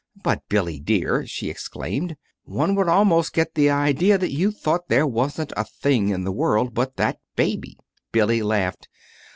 "But, Billy, dear," she exclaimed, "one would almost get the idea that you thought there wasn't a thing in the world but that baby!" Billy laughed.